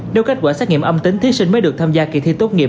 nếu kết quả xét nghiệm âm tính thí sinh mới được tham gia kỳ thi tốt nghiệp